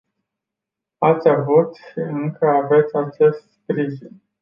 Ați avut și încă aveți acest sprijin.